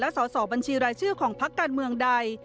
สอบบัญชีรายชื่อของพักการเมืองใด